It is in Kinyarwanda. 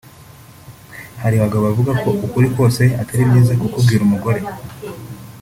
Hari abagabo bavuga ko ukuri kose atari byiza kukubwira umugore